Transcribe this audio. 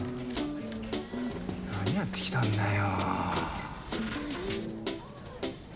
何やってきたんだよ。